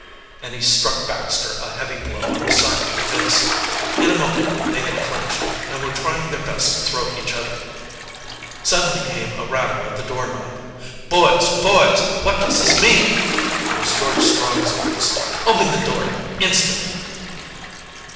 and he struck Baxter a heavy blow on the side of the face. In a moment they had clinched and were trying their best to throw each other. Suddenly came a rattle of the door knob. "Boys! Boys! What does this mean?" It was George Strong's voice. "Open the door instantly."